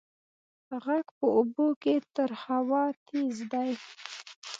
غږ په اوبو کې تر هوا تېز دی.